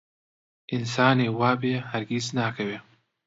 ئینسانێ وابێ هەرگیز ناکەوێ